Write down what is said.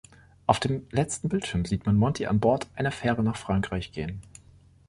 Auf dem letzten Bildschirm sieht man Monty an Bord einer Fähre nach Frankreich gehen.